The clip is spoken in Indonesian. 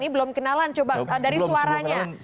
ini belum kenalan coba dari suaranya